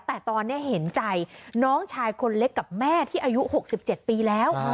แต่ตอนนี้เห็นใจน้องชายคนเล็กกับแม่ที่อายุ๖๗ปีแล้ว